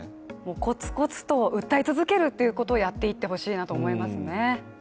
こつこつと訴え続けるということをやっていってほしいなと思いますね。